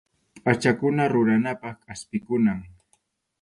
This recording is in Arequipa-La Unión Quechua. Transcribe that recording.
Pʼachakuna ruranapaq kʼaspikunam.